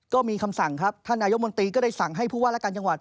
ก็มีคำสั่งครับท่านนายกมนตรีก็ได้สั่งให้ผู้ว่าและการจังหวัด